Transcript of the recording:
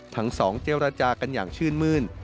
ทั้ง๒เจ้รัชากันอย่างชื่นมื้น